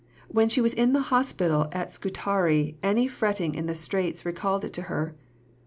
When she was in the Hospital at Scutari any fretting in the Straits recalled it to her.